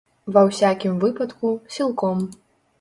Ва ўсякім выпадку, сілком.